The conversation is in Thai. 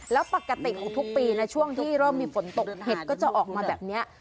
แล้วปกติของทุกปีนะช่วงที่เริ่มมีฝนตกเห็ดก็จะออกมาแบบนี้